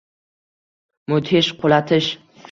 Mudhish qulatish